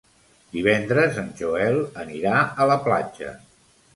Divendres en Joel anirà a la platja.